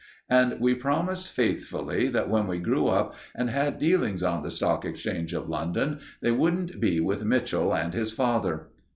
And we promised faithfully that when we grew up and had dealings on the Stock Exchange of London, they wouldn't be with Mitchell and his father.